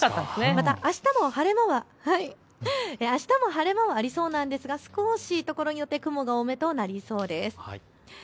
またあしたも晴れ間はありそうなんですが、少しところどころところによって雲が多めとなりそうです。